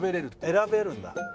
選べるんだ。